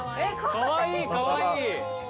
かわいいかわいい！